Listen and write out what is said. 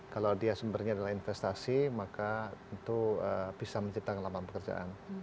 kalau dia sumbernya adalah investasi maka tentu bisa menciptakan lapangan pekerjaan